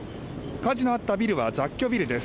火事のあったビルは雑居ビルです。